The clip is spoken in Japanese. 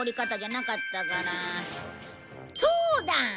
そうだ！